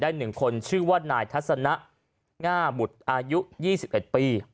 ๑คนชื่อว่านายทัศนะง่าบุตรอายุ๒๑ปี